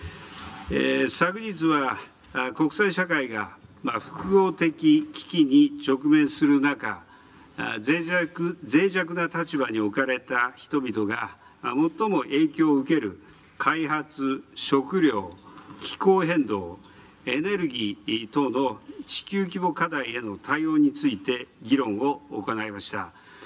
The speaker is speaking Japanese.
昨日は国際社会が、複合的危機に直面する中、ぜい弱な立場に置かれた人々が最も影響を受ける開発、食料、気候変動、エネルギー等の地球規模課題への対応について議論を行いました。